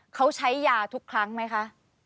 เขาใช้ยาทุกครั้งไหมคะ